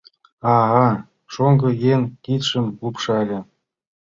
— А-а, — шоҥго еҥ кидшым лупшале.